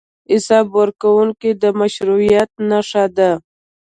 حساب ورکونه د مشروعیت نښه ده.